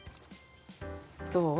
どう？